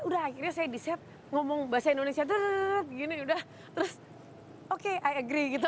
udah akhirnya saya di set ngomong bahasa indonesia terus oke i agree gitu